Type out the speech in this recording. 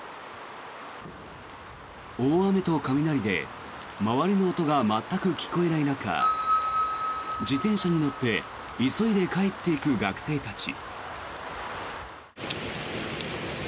大雨と雷で周りの音が全く聞こえない中自転車に乗って急いで帰っていく学生たち。